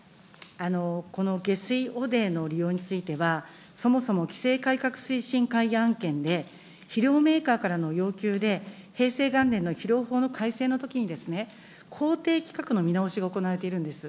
この下水汚泥の利用については、そもそも規制改革推進会議案件で、肥料メーカーからの要求で、平成元年の肥料法の改正のときに、公定規格の見直しが行われているんです。